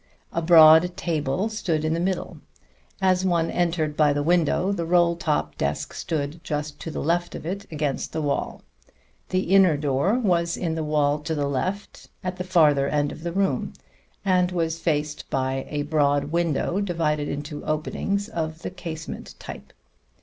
A broad table stood in the middle. As one entered by the window the roll top desk stood just to the left of it against the wall. The inner door was in the wall to the left, at the farther end of the room; and was faced by a broad window divided into openings of the casement type.